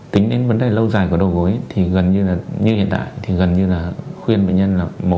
tính đến vấn đề lâu dài của đầu gối thì gần như hiện tại thì gần như là khuyên bệnh nhân là mổ một trăm linh